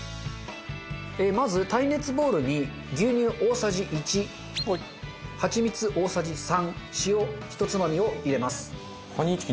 まず耐熱ボウルに牛乳大さじ１ハチミツ大さじ３塩ひとつまみを入れます。